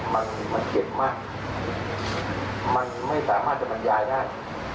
มันมันเจ็บมากมันไม่สามารถจะบรรยายได้